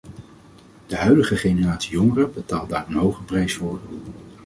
De huidige generatie jongeren betaalt daar een hoge prijs voor.